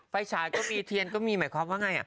ไฟฉายนทียนก็มีหมายความว่าไง